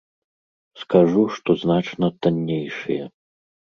Скажу, што значна таннейшыя.